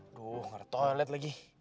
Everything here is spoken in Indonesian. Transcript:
aduh ada toilet lagi